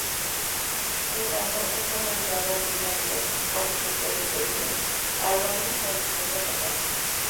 Curado encomendó al brigadier Joaquín de Oliveira Álvarez la misión de atacarlo.